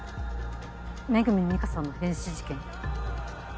恵美佳さんの変死事件。